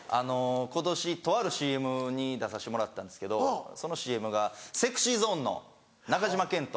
今年とあるＣＭに出させてもらったんですけどそのＣＭがＳｅｘｙＺｏｎｅの中島健人。